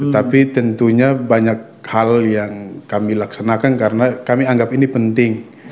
tapi tentunya banyak hal yang kami laksanakan karena kami anggap ini penting